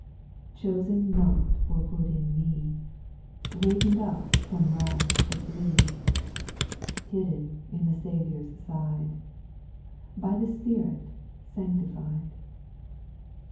6. Chosen not for good in me, Waken'd up from wrath to flee, Hidden in the Saviour's side. By the Spirit sanctified.